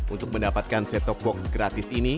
untuk mendapatkan set top box gratis ini